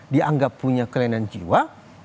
dianggap punya kelainan jiwa